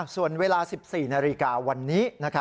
ส่วนเวลา๑๔นาฬิกาวันนี้